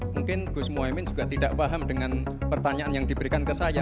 mungkin gus mohaimin juga tidak paham dengan pertanyaan yang diberikan ke saya